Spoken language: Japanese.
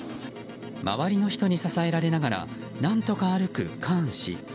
周りの人に支えられながら何とか歩く、カーン氏。